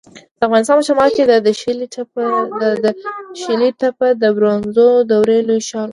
د افغانستان په شمال کې د داشلي تپه د برونزو دورې لوی ښار و